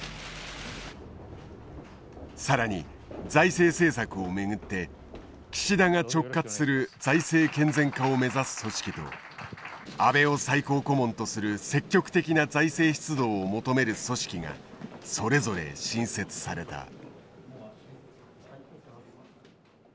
更に財政政策を巡って岸田が直轄する財政健全化を目指す組織と安倍を最高顧問とする積極的な財政出動を求める組織がそれぞれ新設された。